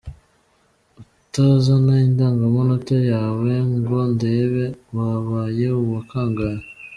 utazana indangamanota yawe ngo ndebe? Wabaye uwa kangahe?.